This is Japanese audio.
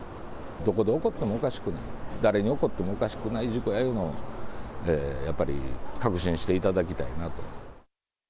どこで起こってもおかしくない、誰に起こってもおかしくない事故やいうのを、やっぱり確信していただきたいなと。